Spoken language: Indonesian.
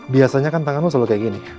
biasanya kan tangan lo selalu kayak gini